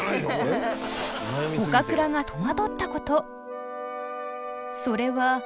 岡倉が戸惑ったことそれは。